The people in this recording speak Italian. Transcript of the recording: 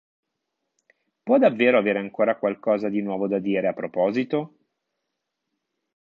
Può davvero avere ancora qualcosa di nuovo da dire a proposito?